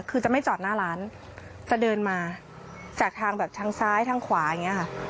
คือจะไม่จอดหน้าร้านจะเดินมาจากทางแบบทางซ้ายทางขวาอย่างนี้ค่ะ